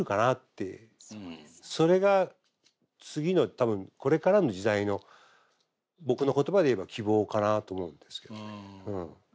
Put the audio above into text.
それが次の多分これからの時代の僕の言葉で言えば希望かなと思うんですけどね。